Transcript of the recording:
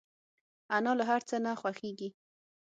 انا له هر څه نه خوښيږي